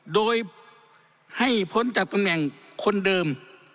โดยให้พ้นจากตำแหน่งคนเดิม